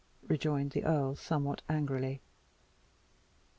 rejoined the earl somewhat angrily.